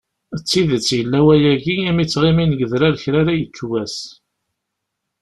D tidet, yella wayagi imi ttɣimin deg udrar kra ara yekk wass.